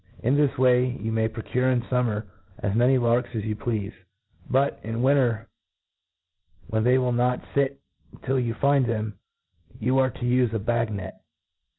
In this way you may procure in fummer as many Jarks as you pleafe. Bnt^ in winter, wh^n they will not fit till you find tbei^^ you are / to ufe a bang net.